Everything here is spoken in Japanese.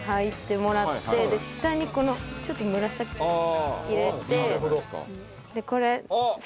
下に、ちょっと紫入れて。